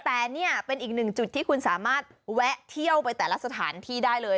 แต่นี่เป็นอีกหนึ่งจุดที่คุณสามารถแวะเที่ยวไปแต่ละสถานที่ได้เลย